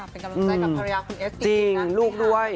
เป็นกำลังใจกับภรรยาคุณเอสจริงนะลูกด้วย